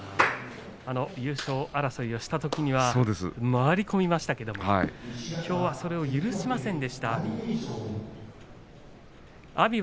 優勝争いしたときは回り込みましたけれどもきょうはそれを許しませんでした阿炎。